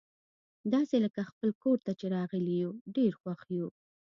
داسي لکه خپل کور ته چي راغلي یو، ډېر خوښ وو.